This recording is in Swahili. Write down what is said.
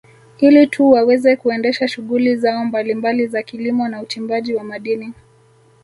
Ili tu waweze kuendesha shughuli zao mbalimbali za kilimo na uchimbaji wa madini